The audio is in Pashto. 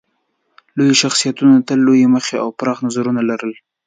لویو شخصیتونو تل لویې موخې او پراخ نظرونه لرل.